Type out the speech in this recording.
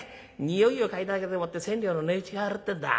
匂いを嗅いだだけでもって千両の値打ちがあるってんだ。